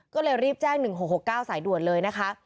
ก็เลยรีบแจ้ง๑๖๖๙สายด่วนเลยนะคะ